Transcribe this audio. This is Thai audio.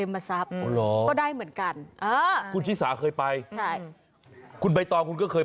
ไม่ได้แก้บบนสองครั้งนะคะ